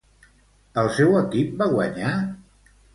El seu equip va guanyar?